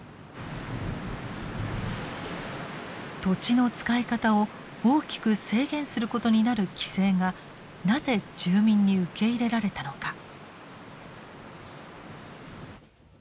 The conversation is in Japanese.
土地の使い方を大きく制限することになる規制がなぜ住民に受け入れられたのか。